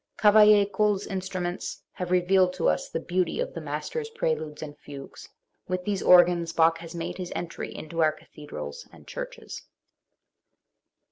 Cavaill6 ColFs instruments have revealed to us the beauty of the master's preludes and fugues; with these organs Bach has made his entry into our cathedrals and churches.